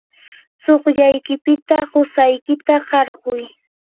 tsukllaykipita qusaykita qarquy.